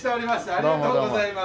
ありがとうございます。